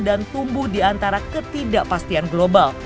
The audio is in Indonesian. dan tumbuh diantara ketidakpastian global